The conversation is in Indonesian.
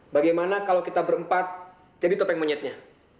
bagaimana kalau kita berempat jadi topeng monyetnya